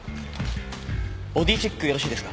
ボディーチェックよろしいですか？